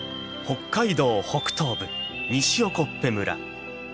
北海道北東部西興部村。